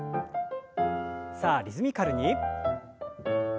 さあリズミカルに。